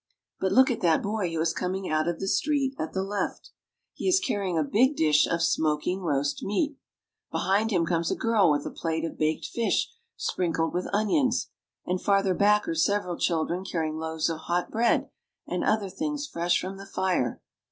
But look at the boy who is coming out of the street at the left ! He is carrying a big dish of smoking roast meat. Behind him comes a girl with a plate of baked fish sprinkled with onions, and farther back are several children carrying loaves of hot bread and other things fresh from the fire.